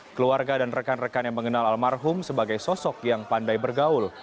keluarga dan rekan rekan yang mengenal almarhum sebagai sosok yang pandai bergaul